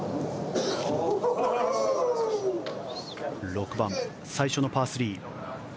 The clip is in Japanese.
６番、最初のパー３。